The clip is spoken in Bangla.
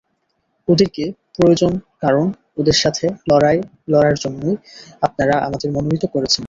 ওদেরকে প্রয়োজন কারণ ওদের সাথে লড়ার জন্যই আপনারা আমাদের মনোনীত করেছেন!